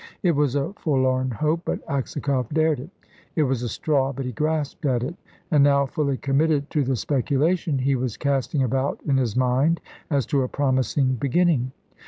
It was a forlorn hope, but Aksakoff dared it; it was a straw, but he grasped at it and now, fully committed to the speculation, he was casting about in his mind as to a promising beginning.